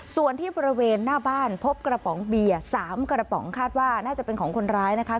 ส่วนที่บริเวณหน้าบ้านพบกระป๋องเบียร์๓กระป๋องคาดว่าน่าจะเป็นของคนร้ายนะคะ